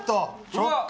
ちょっと！